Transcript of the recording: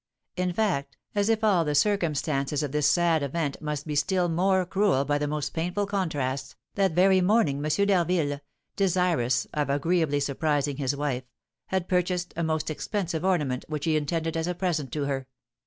In fact, as if all the circumstances of this sad event must be still more cruel by the most painful contrasts, that very morning M. d'Harville, desirous of agreeably surprising his wife, had purchased a most expensive ornament, which he intended as a present to her.